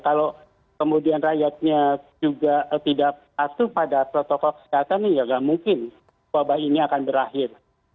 kalau kemudian rakyatnya juga tidak patuh pada protokol kesehatan ya nggak mungkin wabah ini akan berakhir